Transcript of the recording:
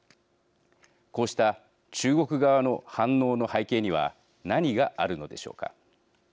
こうした中国側の反応の背景には何があるのでしょうか。